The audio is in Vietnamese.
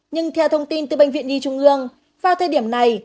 nhưng theo thông tin từ bệnh viện nhi trung ương vào thời điểm này